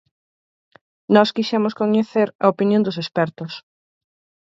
Nós quixemos coñecer a opinión dos expertos.